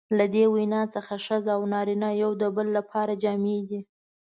له دې وینا څخه ښځه او نارینه یو د بل لپاره جامې دي.